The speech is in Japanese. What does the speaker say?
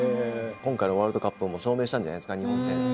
今回のワールドカップで証明したんじゃないですか日本戦。